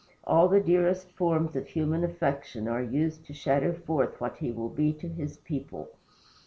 All the dearest forms of human affection are used to shadow forth what he will be to his people.